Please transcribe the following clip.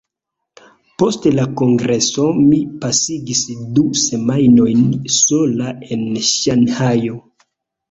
Post la Kongreso, mi pasigis du semajnojn sola en Ŝanhajo.